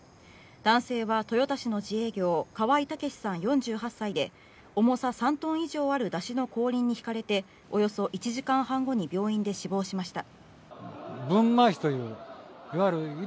男性は豊田市の自営業、河合武さん４８歳で重さ３ｔ以上ある山車の後輪にひかれておよそ１時間半後に病院で死亡しました。